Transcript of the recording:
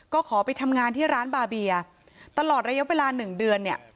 ก็ขอไปทำงานที่ร้านบาเบียตลอดระยะเวลาหนึ่งเดือนเนี่ย